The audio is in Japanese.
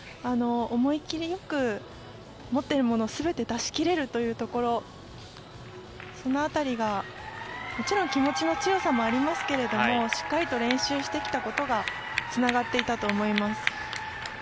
思い切りよく、持っているもの全て出しきれるというところその辺りが、もちろん気持ちの強さもありますがしっかりと練習してきたことがつながっていたと思います。